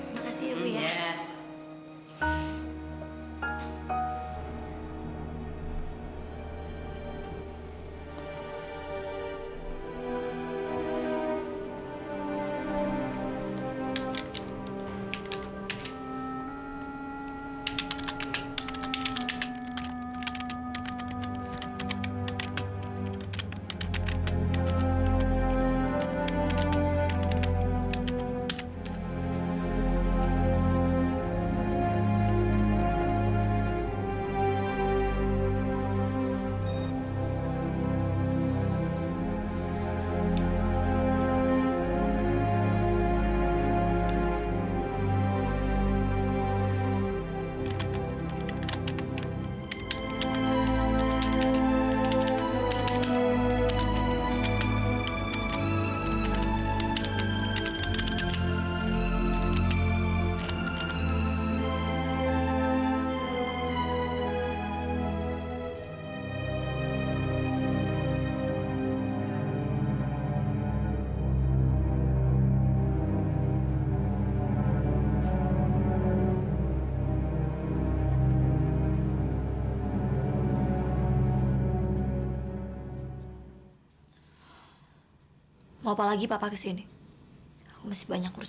terima kasih ibu